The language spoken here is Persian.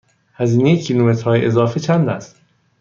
هزینه کیلومترهای اضافه چند است؟